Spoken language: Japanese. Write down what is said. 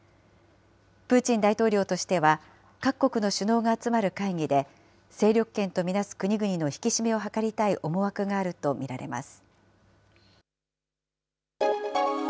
プーチン大統領としては各国の首脳が集まる会議で、勢力圏と見なす国々の引き締めを図りたい思惑があると見られます。